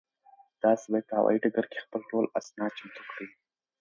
تاسو باید په هوایي ډګر کې خپل ټول اسناد چمتو کړئ.